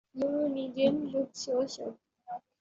You needn't look so shocked.